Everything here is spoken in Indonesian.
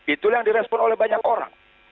itulah yang direspon oleh banyak orang